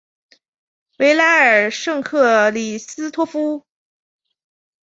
维拉尔圣克里斯托夫。